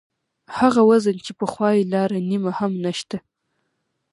هغه وزن چې پخوا یې لاره نیم هم نشته.